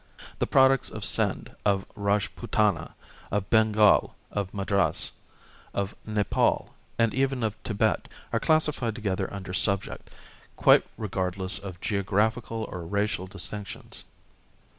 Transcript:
The products of Sind, of Rajputana, of Bengal, of Madras, of Nepal, and even of Tibet are classified together under subject, quite regard less of geographical or racial distinctions.